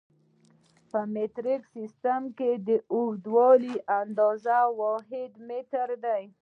په مټریک سیسټم کې د اوږدوالي د اندازې واحد متر دی.